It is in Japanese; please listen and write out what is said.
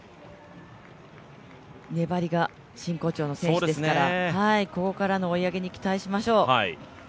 粘りが真骨頂の選手ですからここからの追い上げに期待しましょう。